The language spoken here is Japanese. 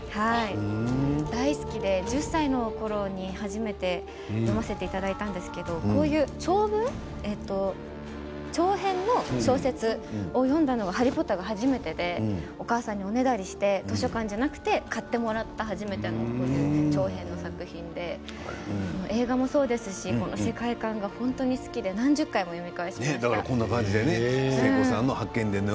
大好きで１０歳のころに初めて読ませていただいたんですけれど長編の小説を読んだのは「ハリー・ポッター」が初めてでお母さんにおねだりして図書館じゃなくて買ってもらった初めての長編の作品で映画もそうですし世界観が本当に好きで何十回も読み返しました。